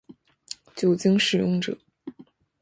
酒精使用者